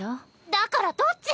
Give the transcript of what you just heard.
だからどっち？